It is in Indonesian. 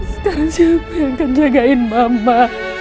sekarang siapa yang akan jagain bapak